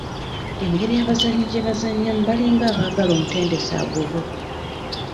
Engeri abazannyi gye bazannyamu balinga abaagala omutendesi agobwe.